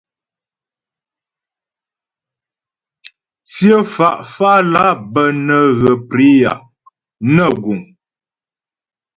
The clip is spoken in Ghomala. Tsyə fá fálà bə́ nə́ ghə priyà nə guŋ.